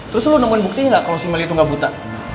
terus lo nemuin buktinya gak kalo si mel itu gak buta